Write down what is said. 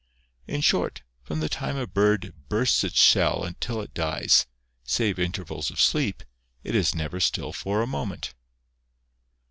In short, from the time a bird bursts its shell until it dies, save intervals of sleep, it is never still for a moment.